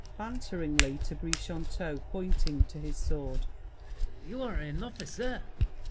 [Banteringly to Brichanteau, pointing to his sword. You are an officer?